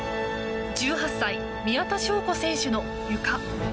１８歳の宮田笙子選手のゆか。